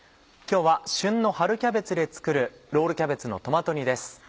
今日は旬の春キャベツで作る「ロールキャベツのトマト煮」です。